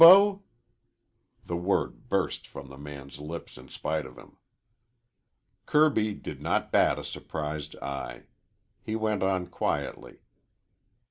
The word burst from the man's lips in spite of him. Kirby did not bat a surprised eye. He went on quietly.